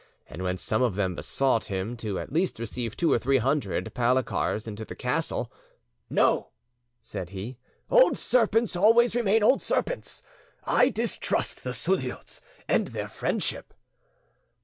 And when some of them besought him to at least receive two or three hundred Palikars into the castle, "No," said he; "old serpents always remain old serpents: I distrust the Suliots and their friendship."